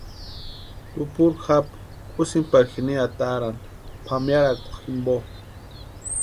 Tupuri japu úsïnti pari jini ataarhani pʼamearhakwa jimpo.